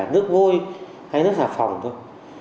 nước vôi hay nước xà phòng thôi